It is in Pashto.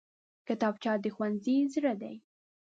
کتابچه د ښوونځي زړه دی